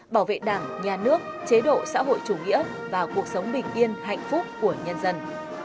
bảo vệ đảng nhà nước chế độ xã hội chủ nghĩa và cuộc sống bình yên hạnh phúc của nhân dân